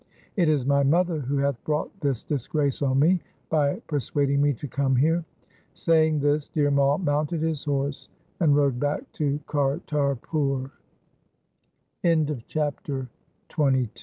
It is my mother who hath brought this disgrace on me by persuading me to come here.' Saying this Dhir Mai mounted his horse and rode back to Kartarpur. Chapter XXIII When the Guru's